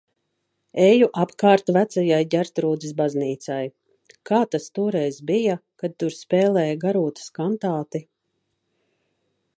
Eju apkārt Vecajai Ģertrūdes baznīcai. Kā tas toreiz bija, kad tur spēlēja Garūtas kantāti?